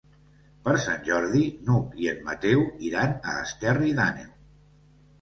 Per Sant Jordi n'Hug i en Mateu iran a Esterri d'Àneu.